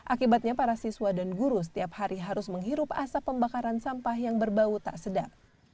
akibatnya para siswa dan guru setiap hari harus menghirup asap pembakaran sampah yang berbau tak sedap